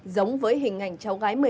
giống với hình ảnh cháu gái một mươi bốn tuổi